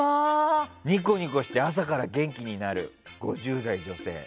ニコニコして朝から元気になる５０代女性。